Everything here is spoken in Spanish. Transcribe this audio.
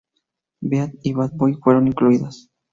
Beat" y "Bad Boy" fueron incluidas.